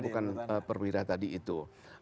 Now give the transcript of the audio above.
bukan perwira tadi itu